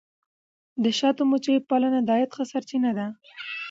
د شاتو مچیو پالنه د عاید ښه سرچینه ده.